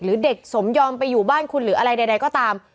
หรือเด็กสมยอมไปอยู่บ้านคุณหรืออะไรใดก็ตาม